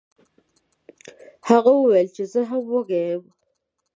هغه وویل چې زه هم وږی یم.